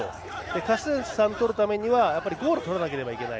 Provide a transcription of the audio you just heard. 勝ち点３を取るためにはゴールをとらなければいけない。